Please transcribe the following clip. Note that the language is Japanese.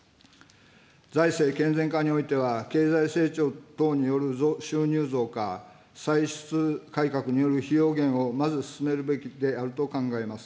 財政健全化においては、経済成長等による収入増か、歳出改革による費用減をまず進めるべきであると考えます。